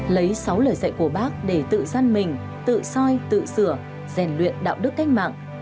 lấy sáu lời dạy của bác để tự gian mình tự soi tự sửa rèn luyện đạo đức cách mạng